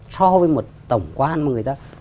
so với một tổng quan mà người ta